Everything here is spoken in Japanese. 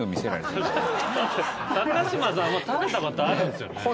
もう食べたことあるんすよね？